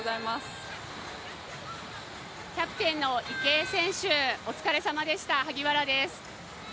キャプテンの池江選手、お疲れさまでした。